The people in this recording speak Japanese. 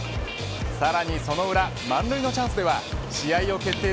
さらにその裏満塁のチャンスでは試合を決定